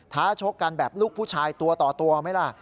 ท้าชกกันแบบลูกผู้ชายตัวต่อตัวไหมล่ะ